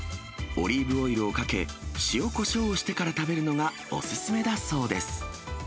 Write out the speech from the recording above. オリーブオイルをかけ、塩こしょうをしてから食べるのがお勧めだそうです。